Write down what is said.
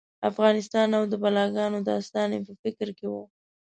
افغانستان او د بلاګانو داستان یې په فکر کې و.